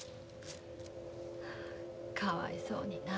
かわいそうにな。